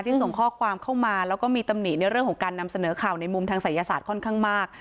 ส่งข้อความเข้ามาแล้วก็มีตำหนิในเรื่องของการนำเสนอข่าวในมุมทางศัยศาสตร์ค่อนข้างมาก